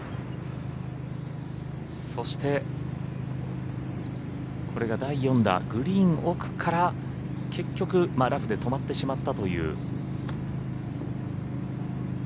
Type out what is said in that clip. そして、これが第４打グリーン奥から結局ラフで止まってしまったという。